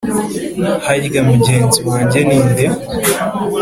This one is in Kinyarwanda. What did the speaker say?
Harya mugenzi wanjye ni nde